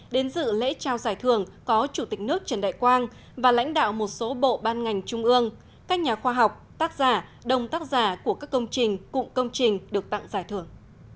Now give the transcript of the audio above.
đến dự lễ trao giải thưởng có chủ tịch nước trần đại quang và lãnh đạo một số bộ ban ngành trung ương các nhà khoa học tác giả đồng tác giả của các công trình cụm công trình được tặng giải thưởng